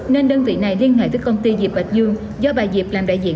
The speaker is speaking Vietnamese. nên đơn vị này liên hệ với công ty dịp bạch dương do bà dịp làm đại diện